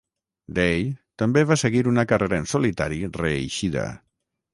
Daye també va seguir una carrera en solitari reeixida.